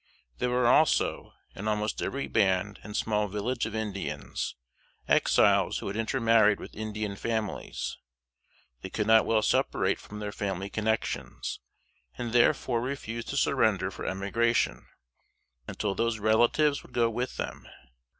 There were also, in almost every band and small village of Indians, Exiles who had intermarried with Indian families. They could not well separate from their family connexions, and therefore refused to surrender for emigration, until those relatives would go with them.